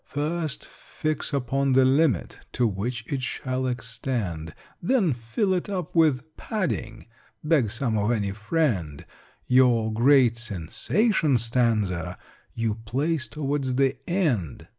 "First fix upon the limit To which it shall extend: Then fill it up with 'Padding' (Beg some of any friend): Your great SENSATION STANZA You place towards the end."